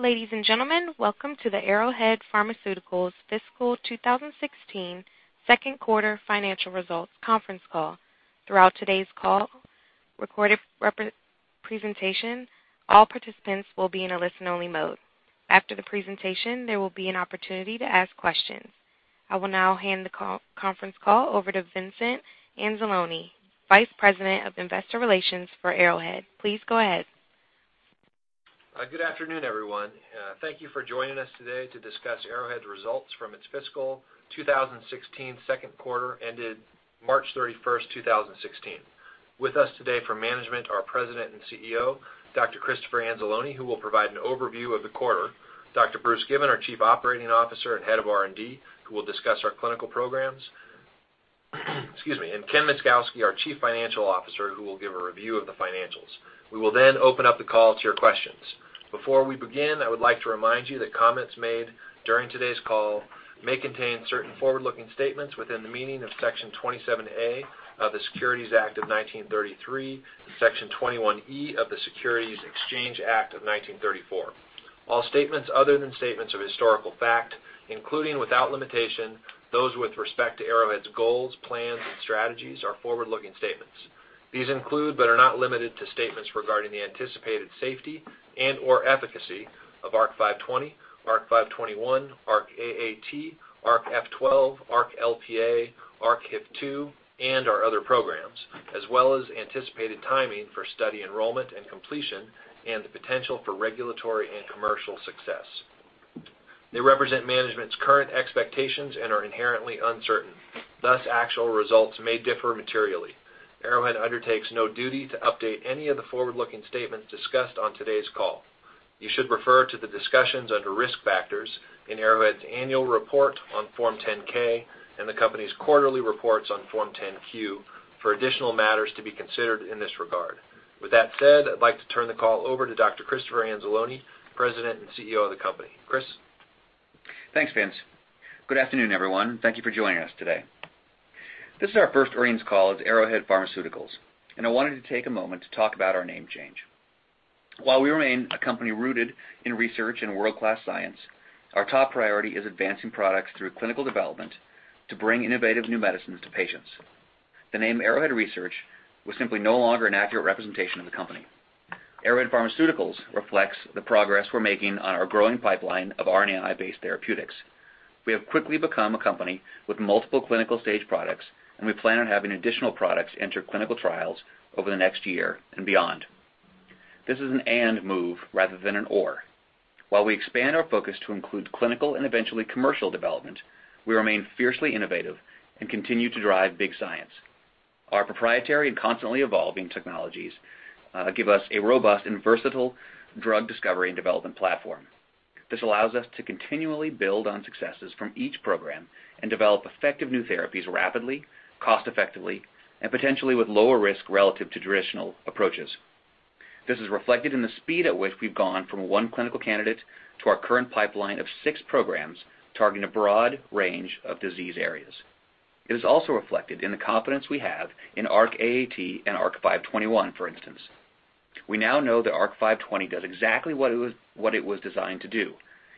Ladies and gentlemen, welcome to the Arrowhead Pharmaceuticals Fiscal 2016 Second Quarter Financial Results Conference Call. Throughout today's call, recorded presentation, all participants will be in a listen-only mode. After the presentation, there will be an opportunity to ask questions. I will now hand the conference call over to Vincent Anzalone, Vice President of Investor Relations for Arrowhead. Please go ahead. Good afternoon, everyone. Thank you for joining us today to discuss Arrowhead's results from its fiscal 2016 second quarter ended March 31st, 2016. With us today for management are President and CEO, Dr. Christopher Anzalone, who will provide an overview of the quarter, Dr. Bruce Given, our Chief Operating Officer and Head of R&D, who will discuss our clinical programs. Excuse me. Ken Myszkowski, our Chief Financial Officer, who will give a review of the financials. We will open up the call to your questions. Before we begin, I would like to remind you that comments made during today's call may contain certain forward-looking statements within the meaning of Section 27A of the Securities Act of 1933 and Section 21E of the Securities Exchange Act of 1934. All statements other than statements of historical fact, including, without limitation, those with respect to Arrowhead's goals, plans, and strategies, are forward-looking statements. These include, but are not limited to, statements regarding the anticipated safety and/or efficacy of ARC-520, ARC-521, ARC-AAT, ARC-F12, ARC-LPA, ARC-HIF2, and our other programs, as well as anticipated timing for study enrollment and completion and the potential for regulatory and commercial success. They represent management's current expectations and are inherently uncertain. Thus, actual results may differ materially. Arrowhead undertakes no duty to update any of the forward-looking statements discussed on today's call. You should refer to the discussions under Risk Factors in Arrowhead's annual report on Form 10-K and the company's quarterly reports on Form 10-Q for additional matters to be considered in this regard. With that said, I'd like to turn the call over to Dr. Christopher Anzalone, President and CEO of the company. Chris? Thanks, Vince. Good afternoon, everyone. Thank you for joining us today. This is our first earnings call as Arrowhead Pharmaceuticals, and I wanted to take a moment to talk about our name change. While we remain a company rooted in research and world-class science, our top priority is advancing products through clinical development to bring innovative new medicines to patients. The name Arrowhead Research was simply no longer an accurate representation of the company. Arrowhead Pharmaceuticals reflects the progress we're making on our growing pipeline of RNAi-based therapeutics. We have quickly become a company with multiple clinical stage products, and we plan on having additional products enter clinical trials over the next year and beyond. This is an and move rather than an or. While we expand our focus to include clinical and eventually commercial development, we remain fiercely innovative and continue to drive big science. Our proprietary and constantly evolving technologies give us a robust and versatile drug discovery and development platform. This allows us to continually build on successes from each program and develop effective new therapies rapidly, cost effectively, and potentially with lower risk relative to traditional approaches. This is reflected in the speed at which we've gone from one clinical candidate to our current pipeline of six programs targeting a broad range of disease areas. It is also reflected in the confidence we have in ARC-AAT and ARC-521, for instance. We now know that ARC-520 does exactly what it was designed to do.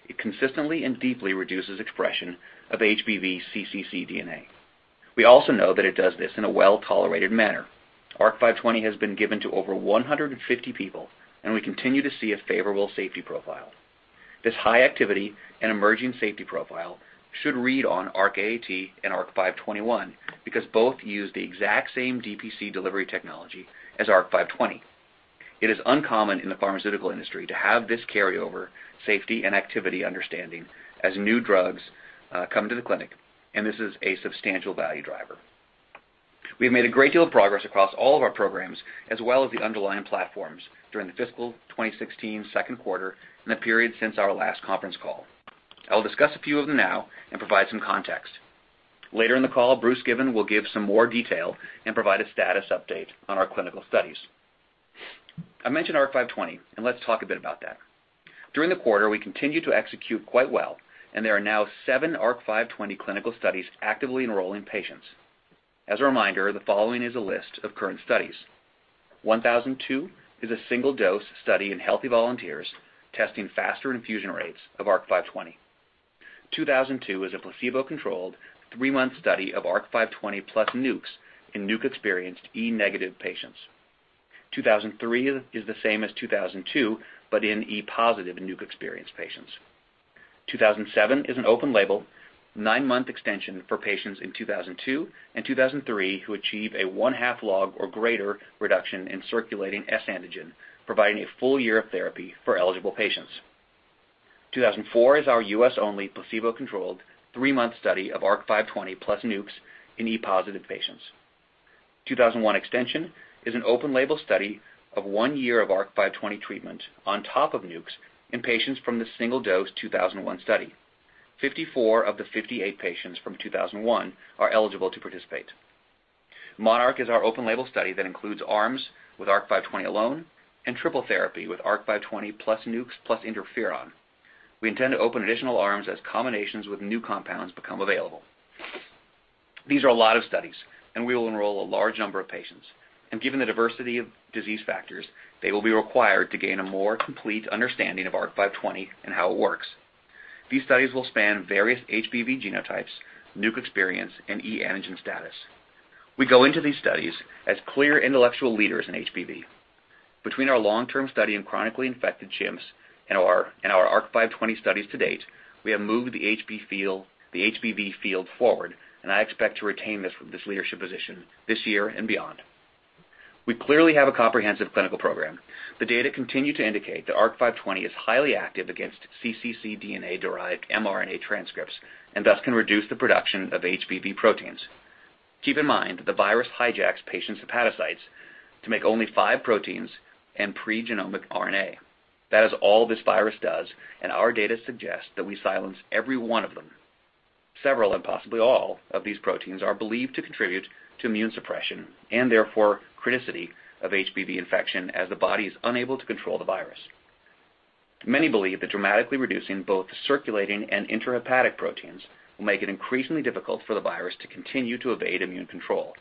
It consistently and deeply reduces expression of HBV cccDNA. We also know that it does this in a well-tolerated manner. ARC-520 has been given to over 150 people, and we continue to see a favorable safety profile. This high activity and emerging safety profile should read on ARC-AAT and ARC-521 because both use the exact same DPC delivery technology as ARC-520. It is uncommon in the pharmaceutical industry to have this carryover safety and activity understanding as new drugs come to the clinic, and this is a substantial value driver. We have made a great deal of progress across all of our programs, as well as the underlying platforms during the fiscal 2016 second quarter and the period since our last conference call. I will discuss a few of them now and provide some context. Later in the call, Bruce Given will give some more detail and provide a status update on our clinical studies. I mentioned ARC-520. Let's talk a bit about that. During the quarter, we continued to execute quite well. There are now seven ARC-520 clinical studies actively enrolling patients. As a reminder, the following is a list of current studies. 1002 is a single-dose study in healthy volunteers testing faster infusion rates of ARC-520. 2002 is a placebo-controlled three-month study of ARC-520 plus Nucs in Nuc-experienced e-negative patients. 2003 is the same as 2002, but in e-positive Nuc-experienced patients. 2007 is an open-label, nine-month extension for patients in 2002 and 2003 who achieve a one-half log or greater reduction in circulating S antigen, providing a full year of therapy for eligible patients. 2004 is our U.S.-only placebo-controlled three-month study of ARC-520 plus Nucs in e-positive patients. 2001 extension is an open label study of one year of ARC-520 treatment on top of Nucs in patients from the single-dose 2001 study. 54 of the 58 patients from 2001 are eligible to participate. MONARCH is our open label study that includes arms with ARC-520 alone and triple therapy with ARC-520 plus Nucs plus interferon. We intend to open additional arms as combinations with new compounds become available. These are a lot of studies, and we will enroll a large number of patients. Given the diversity of disease factors, they will be required to gain a more complete understanding of ARC-520 and how it works. These studies will span various HBV genotypes, Nuc experience, and e-antigen status. We go into these studies as clear intellectual leaders in HBV. Between our long-term study in chronically infected chimps and our ARC-520 studies to date, we have moved the HBV field forward. I expect to retain this leadership position this year and beyond. We clearly have a comprehensive clinical program. The data continue to indicate that ARC-520 is highly active against cccDNA-derived mRNA transcripts, and thus can reduce the production of HBV proteins. Keep in mind that the virus hijacks patients' hepatocytes to make only five proteins and pregenomic RNA. That is all this virus does, and our data suggests that we silence every one of them. Several and possibly all of these proteins are believed to contribute to immune suppression and therefore criticality of HBV infection as the body is unable to control the virus. Many believe that dramatically reducing both circulating and intrahepatic proteins will make it increasingly difficult for the virus to continue to evade immune control.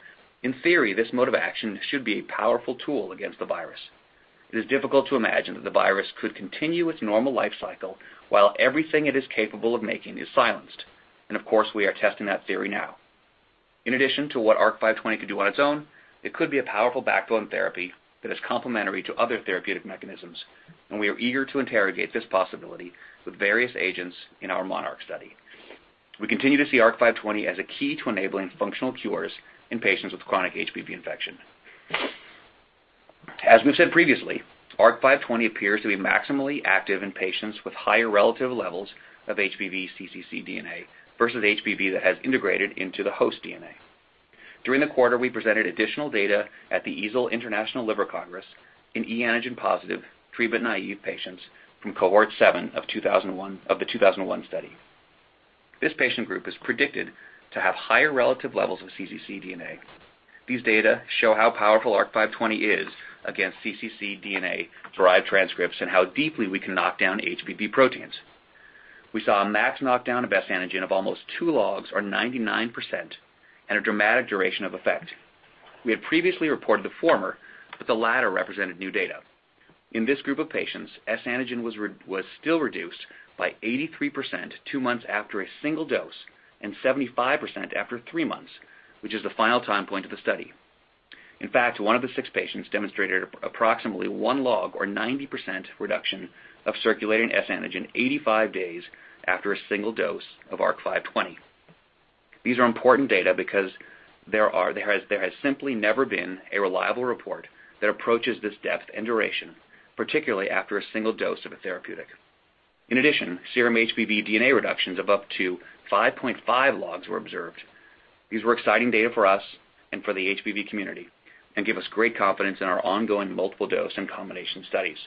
In theory, this mode of action should be a powerful tool against the virus. It is difficult to imagine that the virus could continue its normal life cycle while everything it is capable of making is silenced, and of course, we are testing that theory now. In addition to what ARC-520 can do on its own, it could be a powerful backbone therapy that is complementary to other therapeutic mechanisms, and we are eager to interrogate this possibility with various agents in our MONARCH study. We continue to see ARC-520 as a key to enabling functional cures in patients with chronic HBV infection. As we've said previously, ARC-520 appears to be maximally active in patients with higher relative levels of HBV cccDNA versus HBV that has integrated DNA. During the quarter, we presented additional data at The International Liver Congress in e antigen positive, treatment-naive patients from cohort seven of the 2001 study. This patient group is predicted to have higher relative levels of cccDNA. These data show how powerful ARC-520 is against cccDNA-derived transcripts and how deeply we can knock down HBV proteins. We saw a max knockdown of S antigen of almost two logs or 99%, and a dramatic duration of effect. We had previously reported the former, but the latter represented new data. In this group of patients, S antigen was still reduced by 83% two months after a single dose and 75% after three months, which is the final time point of the study. In fact, one of the six patients demonstrated approximately one log or 90% reduction of circulating S antigen 85 days after a single dose of ARC-520. These are important data because there has simply never been a reliable report that approaches this depth and duration, particularly after a single dose of a therapeutic. In addition, serum HBV DNA reductions of up to 5.5 logs were observed. These were exciting data for us and for the HBV community and give us great confidence in our ongoing multiple dose and combination studies.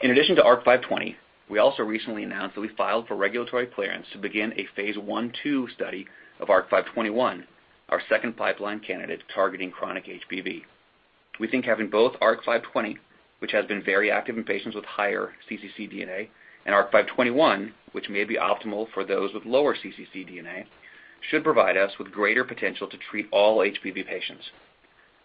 In addition to ARC-520, we also recently announced that we filed for regulatory clearance to begin a phase I/II study of ARC-521, our second pipeline candidate targeting chronic HBV. We think having both ARC-520, which has been very active in patients with higher cccDNA, and ARC-521, which may be optimal for those with lower cccDNA, should provide us with greater potential to treat all HBV patients.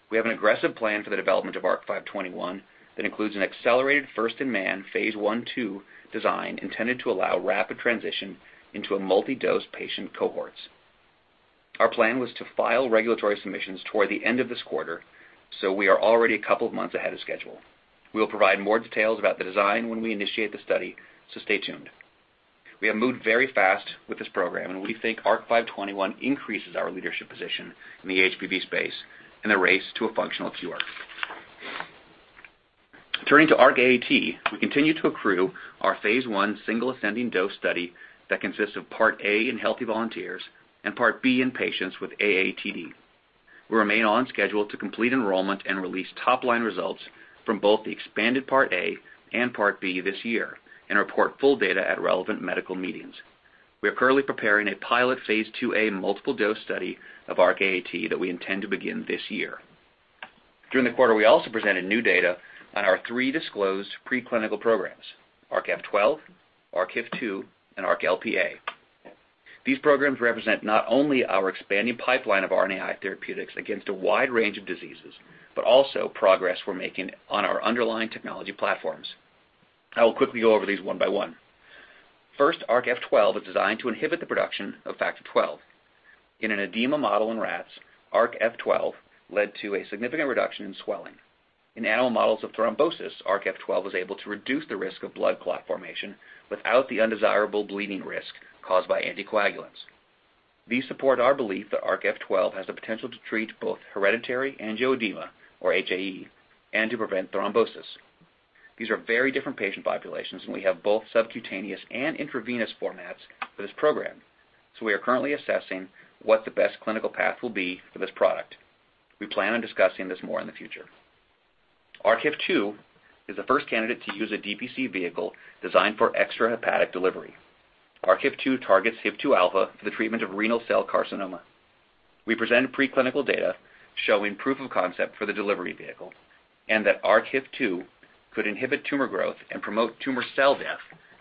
We have an aggressive plan for the development of ARC-521 that includes an accelerated first-in-man phase I/II design intended to allow rapid transition into a multi-dose patient cohorts. Our plan was to file regulatory submissions toward the end of this quarter, so we are already a couple of months ahead of schedule. We will provide more details about the design when we initiate the study, so stay tuned. We have moved very fast with this program, and we think ARC-521 increases our leadership position in the HBV space in the race to a functional cure. Turning to ARC-AAT, we continue to accrue our phase I single ascending dose study that consists of part A in healthy volunteers and part B in patients with AATD. We remain on schedule to complete enrollment and release top-line results from both the expanded part A and part B this year and report full data at relevant medical meetings. We are currently preparing a pilot phase II-A multiple dose study of ARC-AAT that we intend to begin this year. During the quarter, we also presented new data on our three disclosed preclinical programs, ARC-F12, ARC-HIF2, and ARC-LPA. These programs represent not only our expanding pipeline of RNAi therapeutics against a wide range of diseases, but also progress we're making on our underlying technology platforms. I will quickly go over these one by one. First, ARC-F12 is designed to inhibit the production of Factor XII. In an edema model in rats, ARC-F12 led to a significant reduction in swelling. In animal models of thrombosis, ARC-F12 was able to reduce the risk of blood clot formation without the undesirable bleeding risk caused by anticoagulants. These support our belief that ARC-F12 has the potential to treat both hereditary angioedema, or HAE, and to prevent thrombosis. These are very different patient populations, and we have both subcutaneous and intravenous formats for this program, so we are currently assessing what the best clinical path will be for this product. We plan on discussing this more in the future. ARC-HIF2 is the first candidate to use a DPC vehicle designed for extrahepatic delivery. ARC-HIF2 targets HIF2A for the treatment of renal cell carcinoma. We presented preclinical data showing proof of concept for the delivery vehicle and that ARC-HIF2 could inhibit tumor growth and promote tumor cell death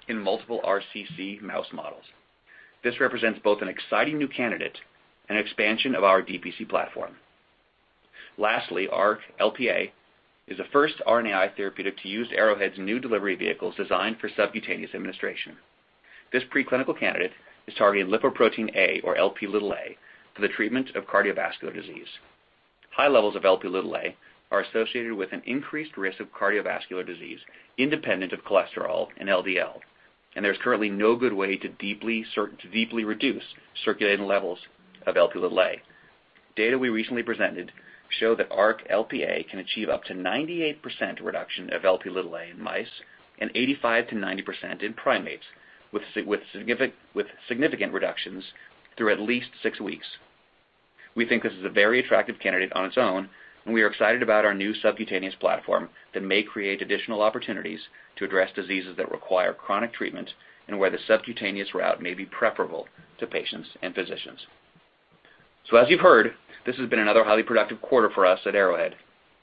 in multiple RCC mouse models. This represents both an exciting new candidate and expansion of our DPC platform. Lastly, ARC-LPA is the first RNAi therapeutic to use Arrowhead's new delivery vehicles designed for subcutaneous administration. This preclinical candidate is targeting Lipoprotein(a), or Lp(a), for the treatment of cardiovascular disease. High levels of Lp(a) are associated with an increased risk of cardiovascular disease independent of cholesterol and LDL, and there's currently no good way to deeply reduce circulating levels of Lp(a). Data we recently presented show that ARC-LPA can achieve up to 98% reduction of Lp(a) in mice and 85%-90% in primates, with significant reductions through at least six weeks. We think this is a very attractive candidate on its own, and we are excited about our new subcutaneous platform that may create additional opportunities to address diseases that require chronic treatment and where the subcutaneous route may be preferable to patients and physicians. As you've heard, this has been another highly productive quarter for us at Arrowhead.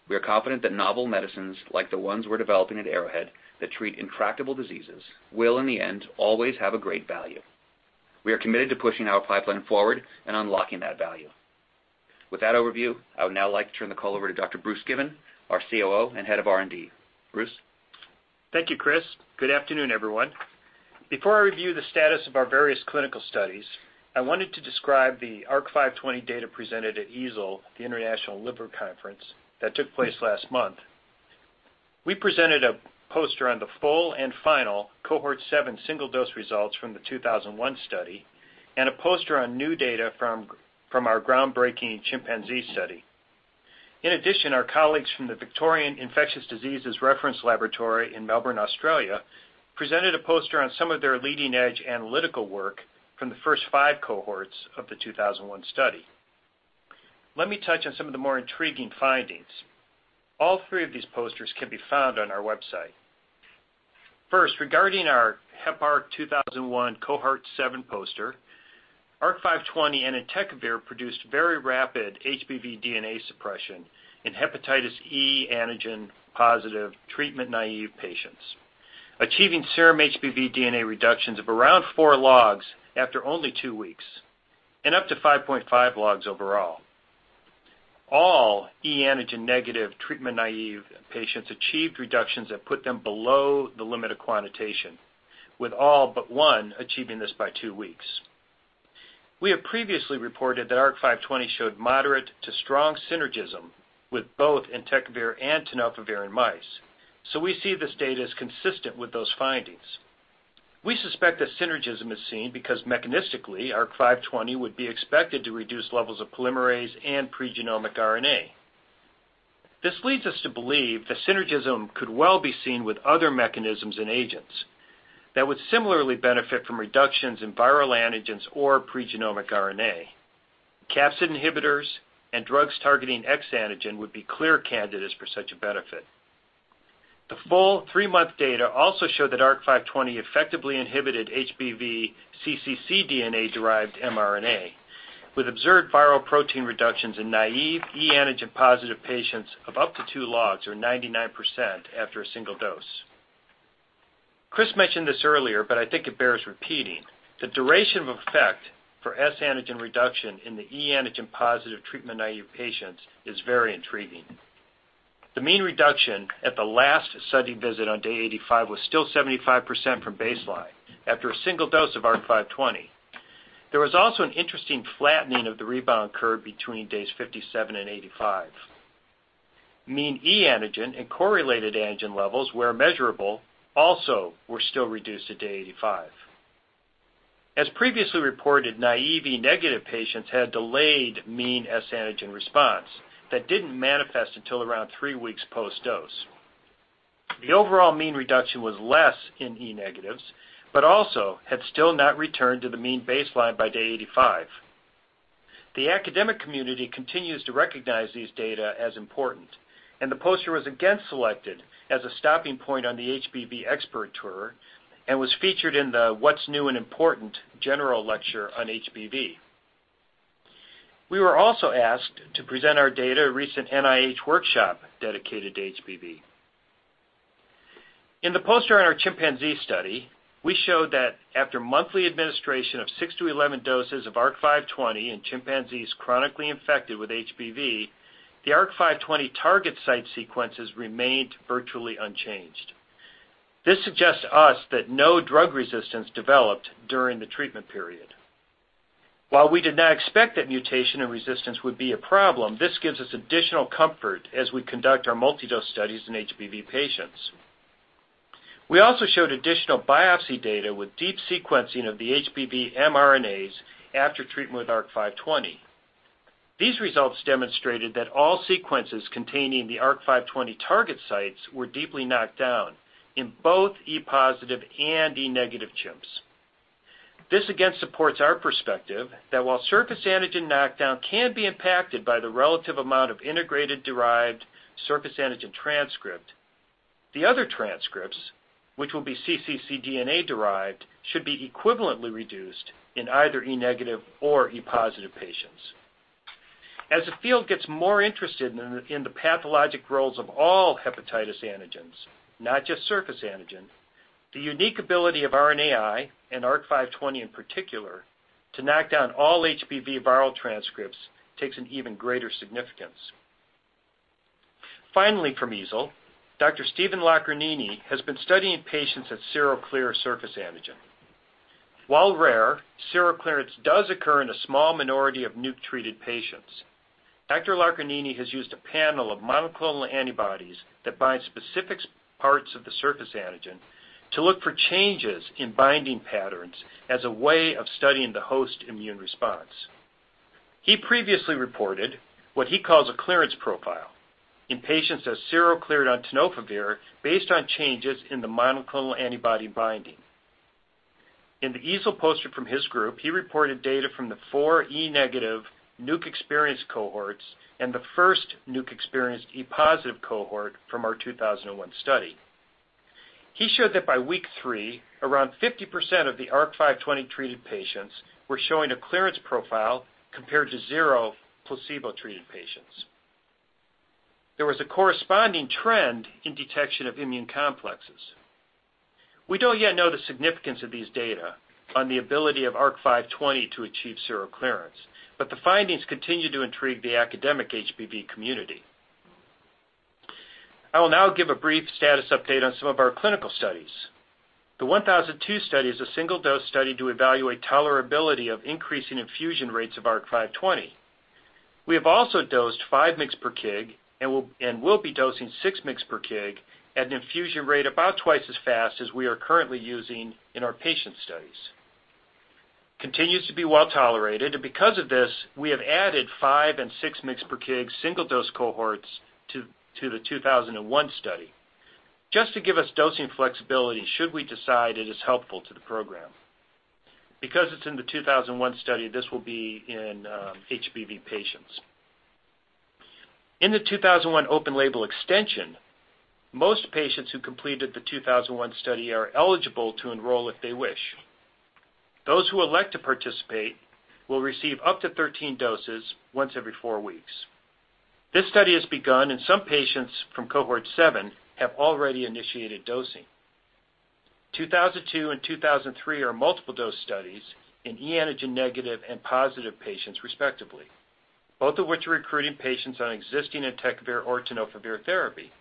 We are confident that novel medicines, like the ones we're developing at Arrowhead, that treat intractable diseases will, in the end, always have a great value. We are committed to pushing our pipeline forward and unlocking that value. With that overview, I would now like to turn the call over to Dr. Bruce Given, our COO and head of R&D. Bruce? Thank you, Chris. Good afternoon, everyone. Before I review the status of our various clinical studies, I wanted to describe the ARC-520 data presented at EASL, The International Liver Congress, that took place last month. We presented a poster on the full and final cohort 7 single-dose results from the 2001 study and a poster on new data from our groundbreaking chimpanzee study. In addition, our colleagues from the Victorian Infectious Diseases Reference Laboratory in Melbourne, Australia, presented a poster on some of their leading-edge analytical work from the first 5 cohorts of the 2001 study. Let me touch on some of the more intriguing findings. All three of these posters can be found on our website. First, regarding our Heparc-2001 cohort 7 poster, ARC-520 and entecavir produced very rapid HBV DNA suppression in hepatitis e antigen-positive, treatment-naive patients, achieving serum HBV DNA reductions of around four logs after only two weeks, and up to 5.5 logs overall. All e antigen-negative treatment-naive patients achieved reductions that put them below the limit of quantitation, with all but one achieving this by two weeks. We have previously reported that ARC-520 showed moderate to strong synergism with both entecavir and tenofovir in mice, so we see this data as consistent with those findings. We suspect that synergism is seen because mechanistically, ARC-520 would be expected to reduce levels of polymerase and pregenomic RNA. This leads us to believe that synergism could well be seen with other mechanisms and agents that would similarly benefit from reductions in viral antigens or pregenomic RNA. Capsid inhibitors and drugs targeting X antigen would be clear candidates for such a benefit. The full three-month data also showed that ARC-520 effectively inhibited HBV cccDNA-derived mRNA, with observed viral protein reductions in naive e antigen-positive patients of up to two logs, or 99%, after a single dose. Chris mentioned this earlier, but I think it bears repeating. The duration of effect for S antigen reduction in the e antigen-positive treatment-naive patients is very intriguing. The mean reduction at the last study visit on day 85 was still 75% from baseline after a single dose of ARC-520. There was also an interesting flattening of the rebound curve between days 57 and 85. Mean e antigen and core-related antigen levels where measurable also were still reduced at day 85. As previously reported, naive e negative patients had delayed mean S antigen response that didn't manifest until around three weeks post-dose. The overall mean reduction was less in E negatives, but also had still not returned to the mean baseline by day 85. The academic community continues to recognize these data as important. The poster was again selected as a stopping point on the HBV Expert Tour and was featured in the What's New and Important general lecture on HBV. We were also asked to present our data at a recent NIH workshop dedicated to HBV. In the poster on our chimpanzee study, we showed that after monthly administration of six to 11 doses of ARC-520 in chimpanzees chronically infected with HBV, the ARC-520 target site sequences remained virtually unchanged. This suggests to us that no drug resistance developed during the treatment period. While we did not expect that mutation and resistance would be a problem, this gives us additional comfort as we conduct our multi-dose studies in HBV patients. We also showed additional biopsy data with deep sequencing of the HBV mRNAs after treatment with ARC-520. These results demonstrated that all sequences containing the ARC-520 target sites were deeply knocked down in both E-positive and E-negative chimps. This again supports our perspective that while surface antigen knockdown can be impacted by the relative amount of integrated derived surface antigen transcript. The other transcripts, which will be cccDNA-derived, should be equivalently reduced in either E-negative or E-positive patients. As the field gets more interested in the pathologic roles of all hepatitis antigens, not just surface antigen, the unique ability of RNAi and ARC-520 in particular to knock down all HBV viral transcripts takes an even greater significance. From EASL, Dr. Stephen Locarnini has been studying patients at seroclear surface antigen. While rare, seroclearance does occur in a small minority of NUC-treated patients. Dr. Locarnini has used a panel of monoclonal antibodies that bind specific parts of the surface antigen to look for changes in binding patterns as a way of studying the host immune response. He previously reported what he calls a clearance profile in patients as serocleared on tenofovir based on changes in the monoclonal antibody binding. In the EASL poster from his group, he reported data from the four E-negative NUC-experienced cohorts and the first NUC-experienced E-positive cohort from our 2001 study. He showed that by week three, around 50% of the ARC-520 treated patients were showing a clearance profile compared to zero placebo-treated patients. There was a corresponding trend in detection of immune complexes. We don't yet know the significance of these data on the ability of ARC-520 to achieve seroclearance. The findings continue to intrigue the academic HBV community. I will now give a brief status update on some of our clinical studies. The 1002 study is a single-dose study to evaluate tolerability of increasing infusion rates of ARC-520. We have also dosed five mg per kg and will be dosing six mg per kg at an infusion rate about twice as fast as we are currently using in our patient studies. Continues to be well-tolerated. Because of this, we have added five and six mg per kg single-dose cohorts to the 2001 study just to give us dosing flexibility should we decide it is helpful to the program. Because it's in the 2001 study, this will be in HBV patients. In the 2001 open-label extension, most patients who completed the 2001 study are eligible to enroll if they wish. Those who elect to participate will receive up to 13 doses once every four weeks. This study has begun, and some patients from cohort seven have already initiated dosing. 2002 and 2003 are multiple dose studies in e antigen-negative and positive patients respectively, both of which are recruiting patients on existing entecavir or tenofovir therapy.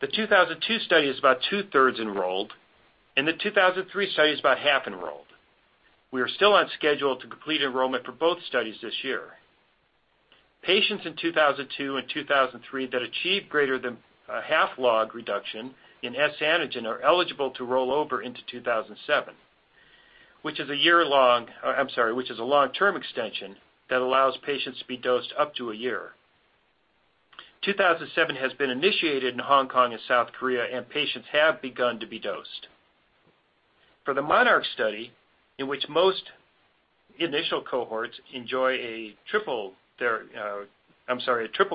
The 2002 study is about two-thirds enrolled, and the 2003 study is about half enrolled. We are still on schedule to complete enrollment for both studies this year. Patients in 2002 and 2003 that achieve greater than a half log reduction in S antigen are eligible to roll over into 2007, which is a long-term extension that allows patients to be dosed up to a year. 2007 has been initiated in Hong Kong and South Korea, and patients have begun to be dosed. For the MONARCH study, in which most initial cohorts enjoy a triple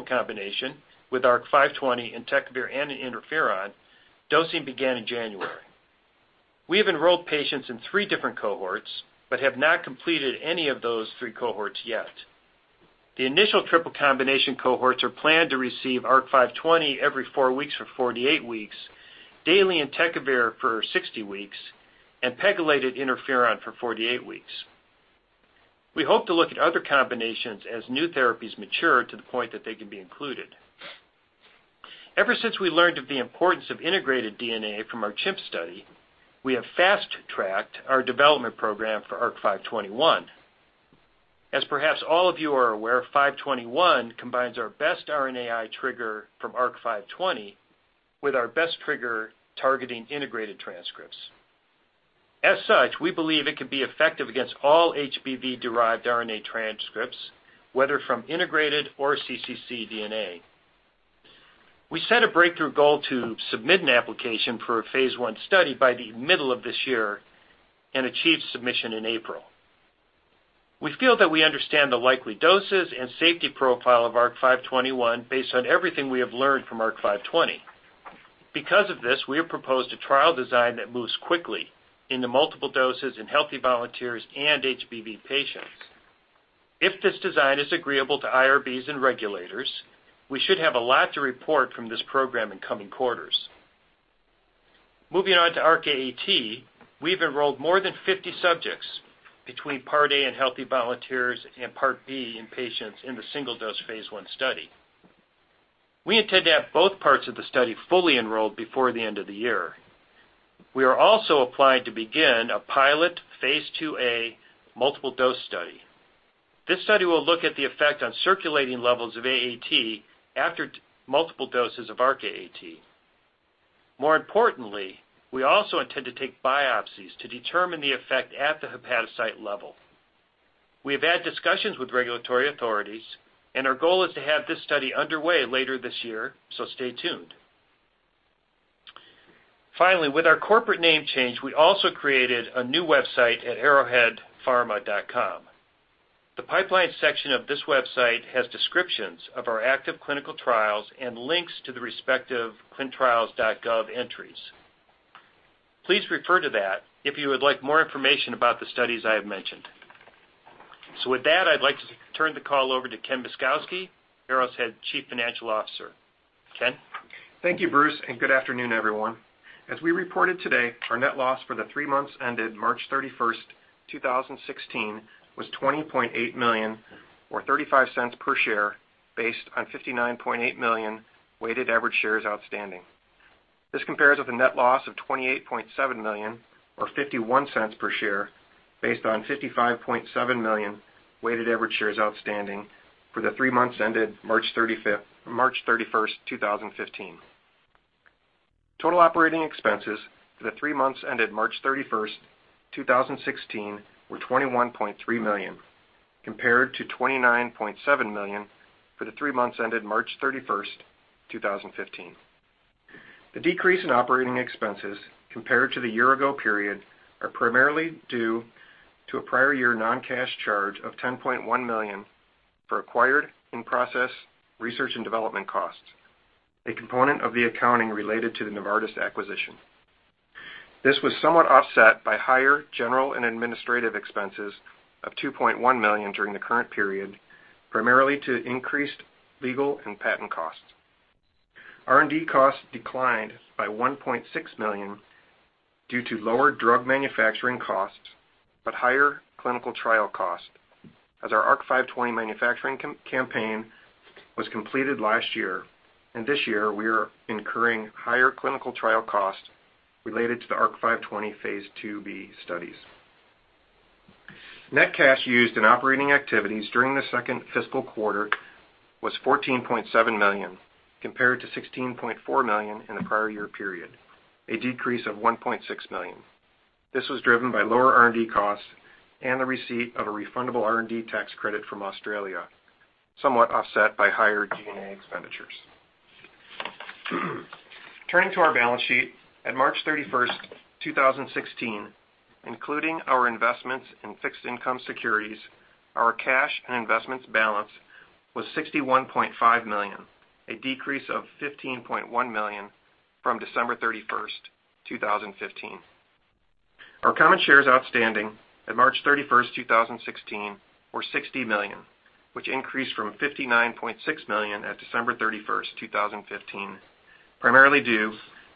combination with ARC-520, entecavir, and interferon, dosing began in January. We have enrolled patients in three different cohorts but have not completed any of those three cohorts yet. The initial triple combination cohorts are planned to receive ARC-520 every four weeks for 48 weeks, daily entecavir for 60 weeks, and pegylated interferon for 48 weeks. We hope to look at other combinations as new therapies mature to the point that they can be included. Ever since we learned of the importance of integrated DNA from our CHIMP study, we have fast-tracked our development program for ARC-521. As perhaps all of you are aware, 521 combines our best RNAi trigger from ARC-520 with our best trigger targeting integrated transcripts. As such, we believe it can be effective against all HBV-derived RNA transcripts, whether from integrated or cccDNA. We set a breakthrough goal to submit an application for a phase I study by the middle of this year and achieved submission in April. We feel that we understand the likely doses and safety profile of ARC-521 based on everything we have learned from ARC-520. Because of this, we have proposed a trial design that moves quickly into multiple doses in healthy volunteers and HBV patients. If this design is agreeable to IRBs and regulators, we should have a lot to report from this program in coming quarters. Moving on to ARC-AAT, we've enrolled more than 50 subjects between Part A in healthy volunteers and Part B in patients in the single-dose phase I study. We intend to have both parts of the study fully enrolled before the end of the year. We are also applying to begin a pilot phase II-A multiple dose study. This study will look at the effect on circulating levels of AAT after multiple doses of ARC-AAT. More importantly, we also intend to take biopsies to determine the effect at the hepatocyte level. We have had discussions with regulatory authorities, and our goal is to have this study underway later this year, so stay tuned. Finally, with our corporate name change, we also created a new website at arrowheadpharma.com. The pipeline section of this website has descriptions of our active clinical trials and links to the respective ClinicalTrials.gov entries. Please refer to that if you would like more information about the studies I have mentioned. With that, I'd like to turn the call over to Ken Myszkowski, Arrow's Chief Financial Officer. Ken? Thank you, Bruce, and good afternoon, everyone. As we reported today, our net loss for the three months ended March 31st, 2016, was $20.8 million or $0.35 per share based on 59.8 million weighted average shares outstanding. This compares with a net loss of $28.7 million or $0.51 per share based on 55.7 million weighted average shares outstanding for the three months ended March 31st, 2015. Total operating expenses for the three months ended March 31st, 2016, were $21.3 million, compared to $29.7 million for the three months ended March 31st, 2015. The decrease in operating expenses compared to the year-ago period are primarily due to a prior year non-cash charge of $10.1 million for acquired in-process research and development costs, a component of the accounting related to the Novartis acquisition. This was somewhat offset by higher general and administrative expenses of $2.1 million during the current period, primarily to increased legal and patent costs. R&D costs declined by $1.6 million due to lower drug manufacturing costs, but higher clinical trial costs as our ARC-520 manufacturing campaign was completed last year, and this year, we are incurring higher clinical trial costs related to the ARC-520 phase IIb studies. Net cash used in operating activities during the second fiscal quarter was $14.7 million, compared to $16.4 million in the prior year period, a decrease of $1.6 million. This was driven by lower R&D costs and the receipt of a refundable R&D tax credit from Australia, somewhat offset by higher G&A expenditures. Turning to our balance sheet, at March 31st, 2016, including our investments in fixed income securities, our cash and investments balance was $61.5 million, a decrease of $15.1 million from December 31st, 2015. Our common shares outstanding at March 31st, 2016, were 60 million, which increased from 59.6 million at December 31st, 2015, primarily due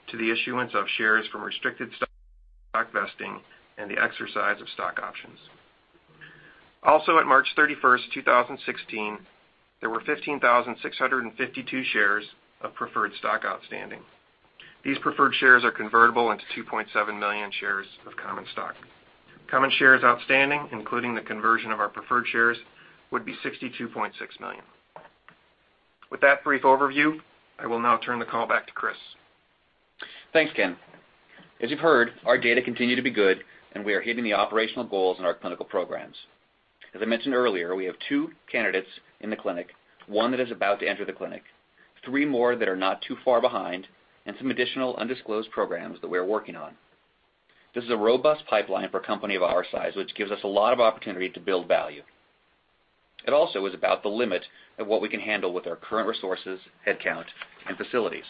to the issuance of shares from restricted stock vesting and the exercise of stock options. Also at March 31st, 2016, there were 15,652 shares of preferred stock outstanding. These preferred shares are convertible into 2.7 million shares of common stock. Common shares outstanding, including the conversion of our preferred shares, would be 62.6 million. With that brief overview, I will now turn the call back to Chris. Thanks, Ken. As you've heard, our data continue to be good, and we are hitting the operational goals in our clinical programs. As I mentioned earlier, we have two candidates in the clinic, one that is about to enter the clinic, three more that are not too far behind, and some additional undisclosed programs that we are working on. This is a robust pipeline for a company of our size, which gives us a lot of opportunity to build value. It also is about the limit of what we can handle with our current resources, headcount, and facilities.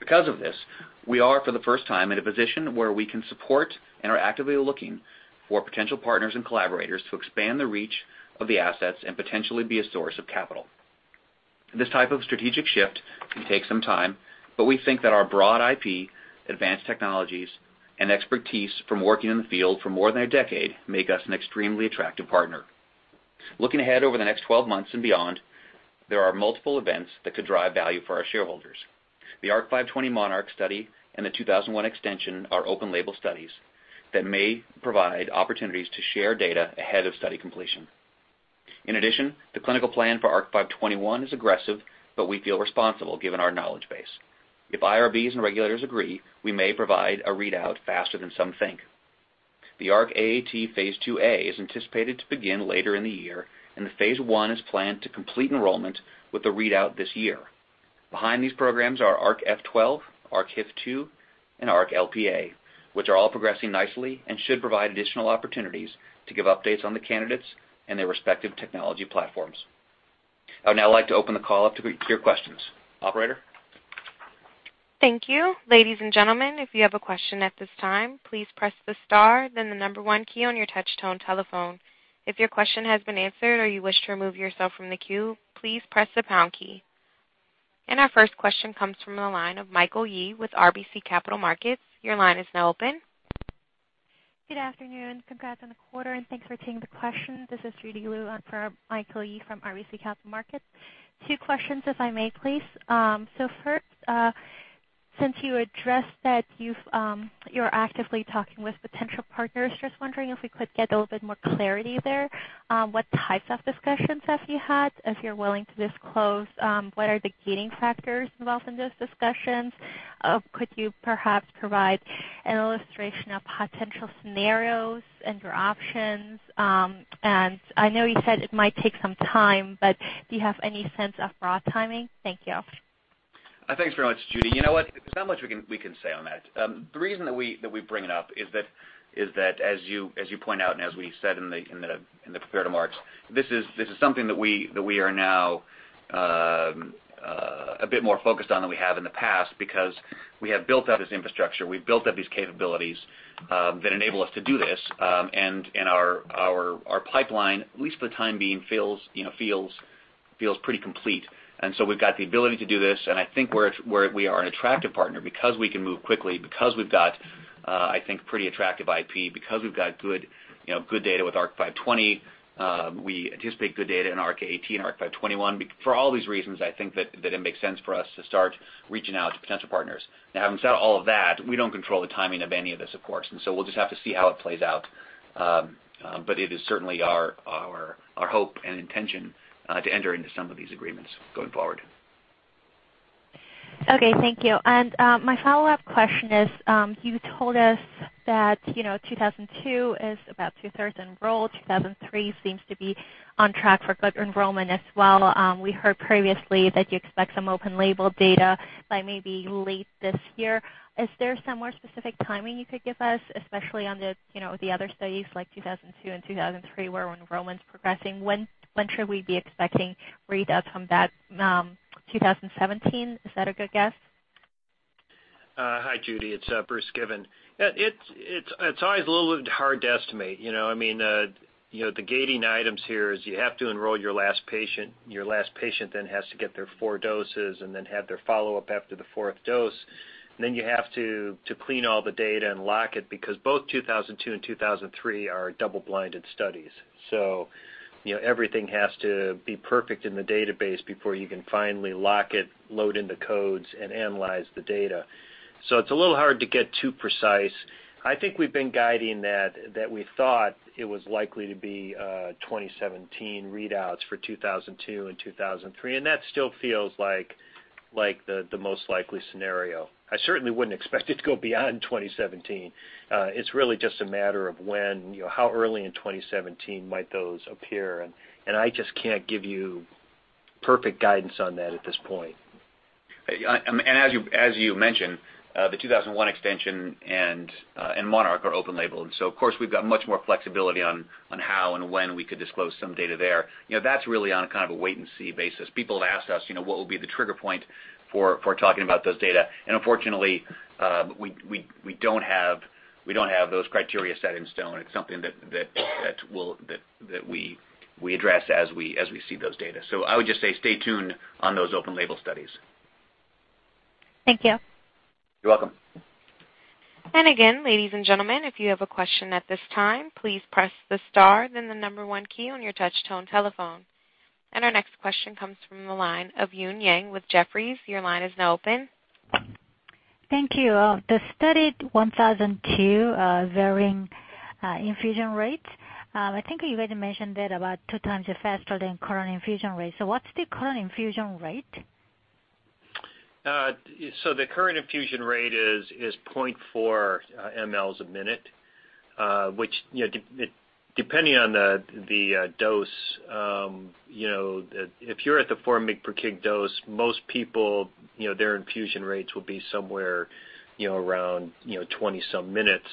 Because of this, we are, for the first time, in a position where we can support and are actively looking for potential partners and collaborators to expand the reach of the assets and potentially be a source of capital. This type of strategic shift can take some time, we think that our broad IP, advanced technologies, and expertise from working in the field for more than a decade make us an extremely attractive partner. Looking ahead over the next 12 months and beyond, there are multiple events that could drive value for our shareholders. The ARC-520 MONARCH study and the Heparc-2001 extension are open label studies that may provide opportunities to share data ahead of study completion. In addition, the clinical plan for ARC-521 is aggressive, but we feel responsible given our knowledge base. If IRBs and regulators agree, we may provide a readout faster than some think. The ARC-AAT phase IIa is anticipated to begin later in the year, and the phase I is planned to complete enrollment with a readout this year. Behind these programs are ARC-F12, ARC-HIF2, and ARC-LPA, which are all progressing nicely and should provide additional opportunities to give updates on the candidates and their respective technology platforms. I would now like to open the call up to your questions. Operator? Thank you. Ladies and gentlemen, if you have a question at this time, please press the star, then the number 1 key on your touch tone telephone. If your question has been answered or you wish to remove yourself from the queue, please press the pound key. Our first question comes from the line of Michael Yee with RBC Capital Markets. Your line is now open. Good afternoon. Congrats on the quarter, and thanks for taking the question. This is Judy Liu in for Michael Yee from RBC Capital Markets. Two questions, if I may, please. First, since you addressed that you're actively talking with potential partners, just wondering if we could get a little bit more clarity there. What types of discussions have you had? If you're willing to disclose, what are the gating factors involved in those discussions? Could you perhaps provide an illustration of potential scenarios and your options? I know you said it might take some time, but do you have any sense of broad timing? Thank you. Thanks very much, Judy. You know what? There's not much we can say on that. The reason that we bring it up is that, as you point out and as we said in the prepared remarks, this is something that we are now a bit more focused on than we have in the past because we have built out this infrastructure, we've built up these capabilities that enable us to do this, and our pipeline, at least for the time being, feels pretty complete. We've got the ability to do this, and I think we are an attractive partner because we can move quickly, because we've got pretty attractive IP, because we've got good data with ARC-520. We anticipate good data in ARC-AAT and ARC-521. For all these reasons, I think that it makes sense for us to start reaching out to potential partners. Having said all of that, we don't control the timing of any of this, of course, we'll just have to see how it plays out. It is certainly our hope and intention to enter into some of these agreements going forward. Okay, thank you. My follow-up question is, you told us that 2002 is about two-thirds enrolled, 2003 seems to be on track for good enrollment as well. We heard previously that you expect some open label data by maybe late this year. Is there some more specific timing you could give us, especially on the other studies like 2002 and 2003, where when enrollment's progressing, when should we be expecting readouts from that? 2017, is that a good guess? Hi, Judy. It's Bruce Given. It's always a little hard to estimate. The gating items here is you have to enroll your last patient, your last patient then has to get their four doses and then have their follow-up after the fourth dose. You have to clean all the data and lock it because both 2002 and 2003 are double-blinded studies. Everything has to be perfect in the database before you can finally lock it, load in the codes, and analyze the data. It's a little hard to get too precise. I think we've been guiding that we thought it was likely to be 2017 readouts for 2002 and 2003, and that still feels like the most likely scenario. I certainly wouldn't expect it to go beyond 2017. It's really just a matter of how early in 2017 might those appear, and I just can't give you perfect guidance on that at this point. As you mentioned, the 2001 extension and MONARCH are open label. Of course, we've got much more flexibility on how and when we could disclose some data there. That's really on a wait-and-see basis. People have asked us what will be the trigger point for talking about those data, and unfortunately, we don't have those criteria set in stone. It's something that we address as we see those data. I would just say stay tuned on those open label studies. Thank you. You're welcome. Again, ladies and gentlemen, if you have a question at this time, please press the star, then the number 1 key on your touch tone telephone. Our next question comes from the line of Eun Yang with Jefferies. Your line is now open. Thank you. The study 1002, varying infusion rates. I think you already mentioned that about 2 times faster than current infusion rates. What's the current infusion rate? The current infusion rate is 0.4 mL a minute. Which, depending on the dose, if you're at the 4 mg per kg dose, most people, their infusion rates will be somewhere around 20-some minutes.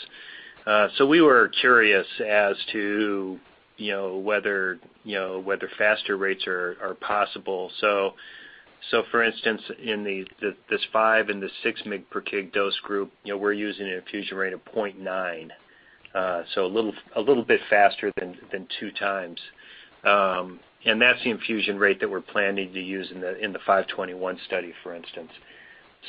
We were curious as to whether faster rates are possible. For instance, in this 5 and the 6 mg per kg dose group, we're using an infusion rate of 0.9. A little bit faster than 2 times. That's the infusion rate that we're planning to use in the 521 study, for instance.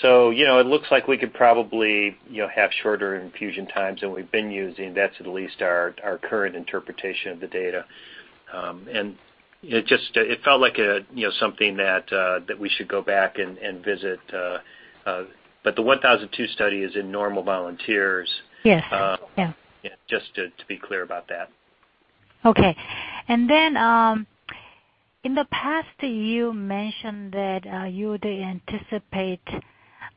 It looks like we could probably have shorter infusion times than we've been using. That's at least our current interpretation of the data. It felt like something that we should go back and visit. The 1002 study is in normal volunteers. Yes. Yeah. Just to be clear about that. Okay. In the past, you mentioned that you would anticipate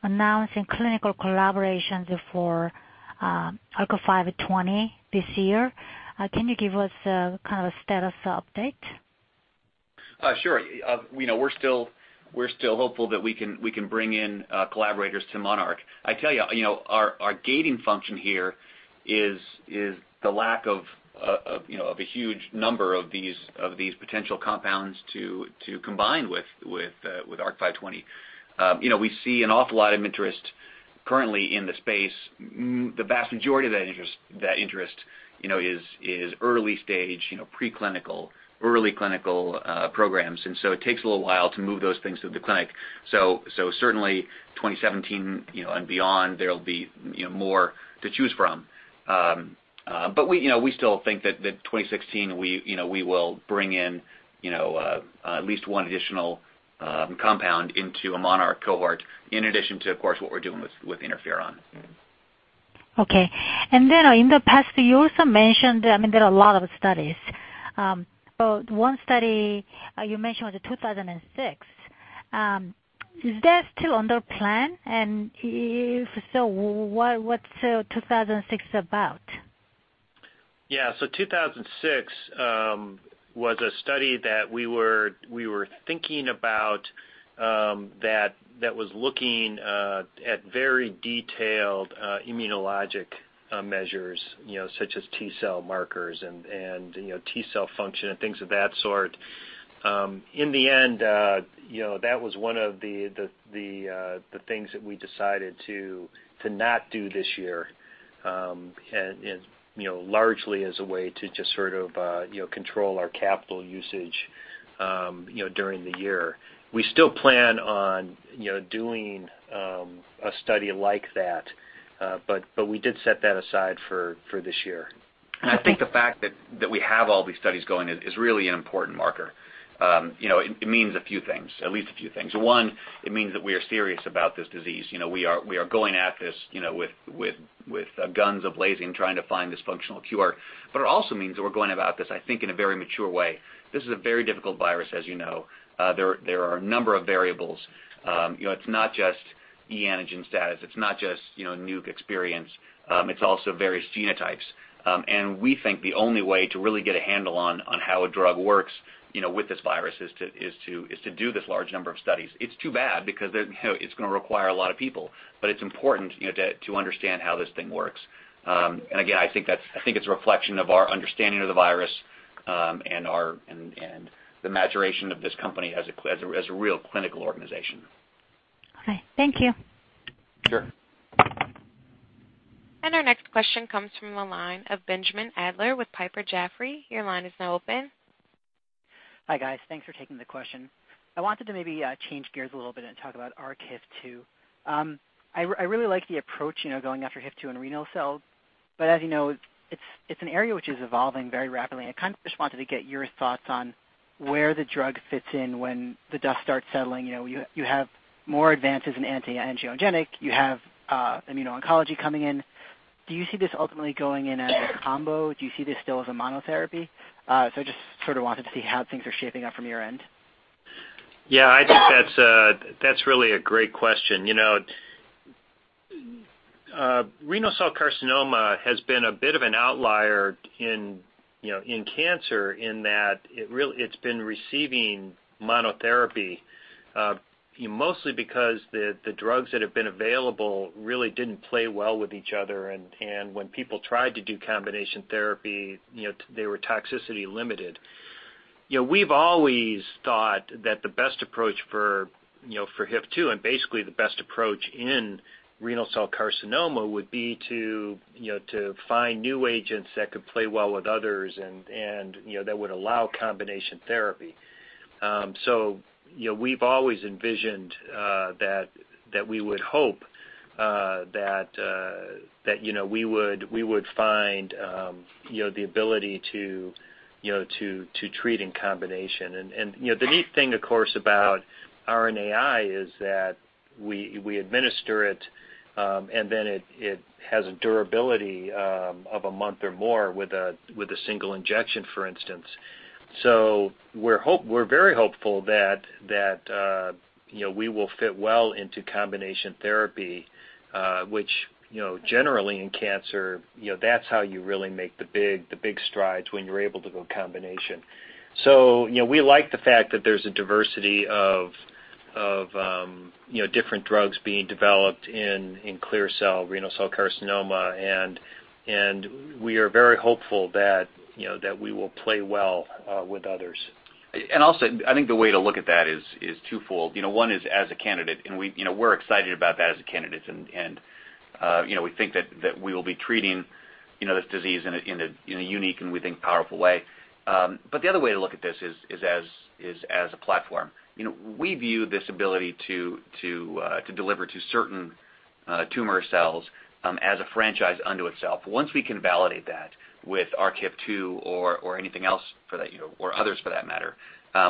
announcing clinical collaborations for ARC-520 this year. Can you give us a status update? Sure. We're still hopeful that we can bring in collaborators to MONARCH. I tell you, our gating function here is the lack of a huge number of these potential compounds to combine with ARC-520. We see an awful lot of interest currently in the space. The vast majority of that interest is early stage, preclinical, early clinical programs. It takes a little while to move those things through the clinic. Certainly 2017 and beyond, there'll be more to choose from. We still think that 2016, we will bring in at least one additional compound into a MONARCH cohort in addition to, of course, what we're doing with interferon. Okay. Then in the past, you also mentioned there are a lot of studies. One study you mentioned was the 2006. Is that still under plan? If so, what's 2006 about? Yeah. 2006 was a study that we were thinking about that was looking at very detailed immunologic measures, such as T cell markers and T cell function and things of that sort. In the end, that was one of the things that we decided to not do this year, and largely as a way to just sort of control our capital usage during the year. We still plan on doing a study like that. We did set that aside for this year. I think the fact that we have all these studies going is really an important marker. It means a few things, at least a few things. One, it means that we are serious about this disease. We are going at this with guns ablazing, trying to find this functional cure. It also means that we're going about this, I think, in a very mature way. This is a very difficult virus, as you know. There are a number of variables. It's not just e antigen status. It's not just nuke experience. It's also various genotypes. We think the only way to really get a handle on how a drug works with this virus is to do this large number of studies. It's too bad, because it's going to require a lot of people. It's important to understand how this thing works. Again, I think it's a reflection of our understanding of the virus and the maturation of this company as a real clinical organization. Okay. Thank you. Sure. Our next question comes from the line of Benjamin Adler with Piper Jaffray. Your line is now open. Hi, guys. Thanks for taking the question. I wanted to maybe change gears a little bit and talk about ARC-HIF2. I really like the approach, going after HIF2 and renal cells. As you know, it's an area which is evolving very rapidly, and I kind of just wanted to get your thoughts on where the drug fits in when the dust starts settling. You have more advances in anti-angiogenic. You have immuno-oncology coming in. Do you see this ultimately going in as a combo? Do you see this still as a monotherapy? I just sort of wanted to see how things are shaping up from your end. I think that's really a great question. Renal cell carcinoma has been a bit of an outlier in cancer in that it's been receiving monotherapy, mostly because the drugs that have been available really didn't play well with each other, and when people tried to do combination therapy, they were toxicity limited. We've always thought that the best approach for HIF2 and basically the best approach in renal cell carcinoma would be to find new agents that could play well with others and that would allow combination therapy. We've always envisioned that we would hope that we would find the ability to treat in combination. The neat thing, of course, about RNAi is that we administer it, and then it has a durability of a month or more with a single injection, for instance. We're very hopeful that we will fit well into combination therapy, which generally in cancer, that's how you really make the big strides, when you're able to go combination. We like the fact that there's a diversity of different drugs being developed in clear cell renal cell carcinoma, and we are very hopeful that we will play well with others. I think the way to look at that is twofold. One is as a candidate, and we're excited about that as a candidate, and we think that we will be treating this disease in a unique and, we think, powerful way. The other way to look at this is as a platform. We view this ability to deliver to certain tumor cells as a franchise unto itself. Once we can validate that with ARC-HIF2 or anything else for that, or others for that matter,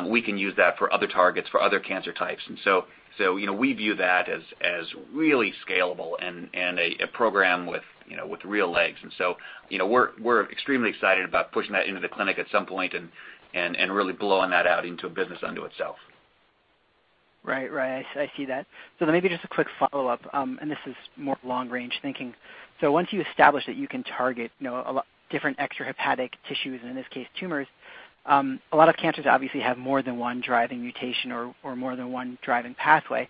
we can use that for other targets, for other cancer types. We view that as really scalable and a program with real legs. We're extremely excited about pushing that into the clinic at some point and really blowing that out into a business unto itself. Right. I see that. Maybe just a quick follow-up, and this is more long-range thinking. Once you establish that you can target different extrahepatic tissues, and in this case, tumors, a lot of cancers obviously have more than one driving mutation or more than one driving pathway.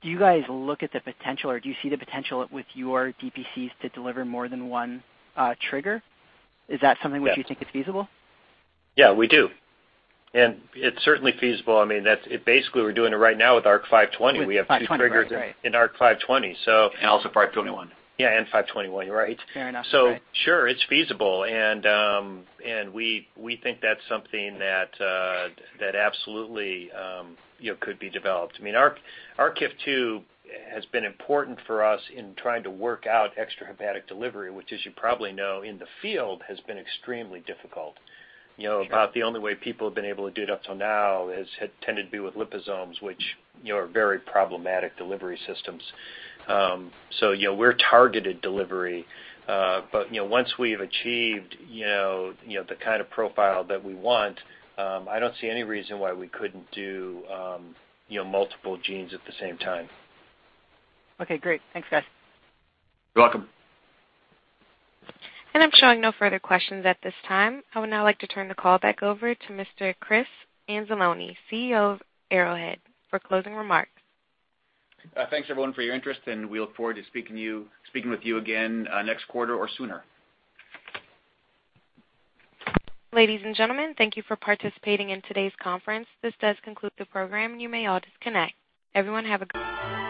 Do you guys look at the potential, or do you see the potential with your DPCs to deliver more than one trigger? Is that something which you think is feasible? Yeah, we do. It's certainly feasible. Basically, we're doing it right now with ARC-520. We have two triggers in ARC-520. Also ARC-521. Yeah, ARC-521. Right. Fair enough. Right. Sure, it's feasible, and we think that's something that absolutely could be developed. ARC-HIF2 has been important for us in trying to work out extrahepatic delivery, which, as you probably know, in the field, has been extremely difficult. About the only way people have been able to do it up till now has tended to be with liposomes, which are very problematic delivery systems. We're targeted delivery. Once we've achieved the kind of profile that we want, I don't see any reason why we couldn't do multiple genes at the same time. Okay, great. Thanks, guys. You're welcome. I'm showing no further questions at this time. I would now like to turn the call back over to Mr. Chris Anzalone, CEO of Arrowhead, for closing remarks. Thanks, everyone, for your interest, and we look forward to speaking with you again next quarter or sooner. Ladies and gentlemen, thank you for participating in today's conference. This does conclude the program, and you may all disconnect. Everyone, have a good night.